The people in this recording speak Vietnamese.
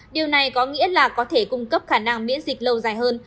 điều này có nghĩa là có thể cung cấp khả năng miễn dịch lâu dài hơn